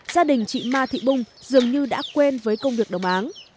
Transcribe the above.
gia đình chị ma thị bung dường như đã quên với công việc đồng áng